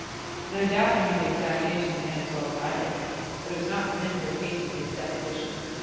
No doubt he knew the exact age of the man as well as I did, but it was not for him to have hastened his deposition.